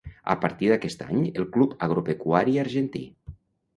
A partir d'aquest any el Club Agropecuari Argentí.